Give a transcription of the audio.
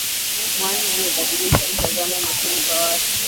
Mwani umebadilisha mtazamo machoni pa watu